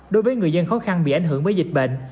đối với người dân khó khăn bị ảnh hưởng bởi dịch bệnh